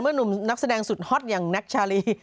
หนุ่มนักแสดงสุดฮอตอย่างแน็กชาลี